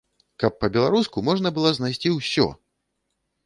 Каб па-беларуску можна было знайсці ўсё!